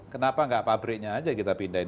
kenapa enggak pabriknya saja kita pindahkan